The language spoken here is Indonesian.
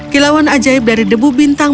kilauan ajaib dari debu bintang